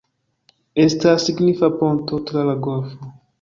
Estas signifa ponto tra la golfo.